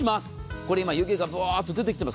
これ今、湯気がぶわーっと出てきています。